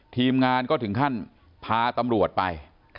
ทีมงานก็ถึงขั้นพาตำรวจไป